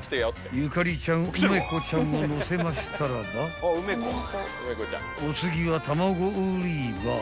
［ゆかりちゃんうめこちゃんを載せましたらばお次は卵売り場］